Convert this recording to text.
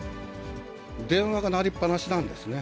電話が鳴りっ放しなんですね。